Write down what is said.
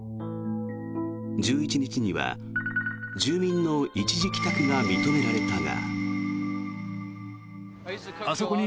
１１日には住民の一時帰宅が認められたが。